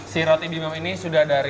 si roti bimau ini sudah dari